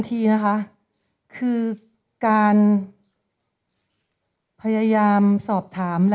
ก็จำเป็นว่านี้เป็นความรับใจมาก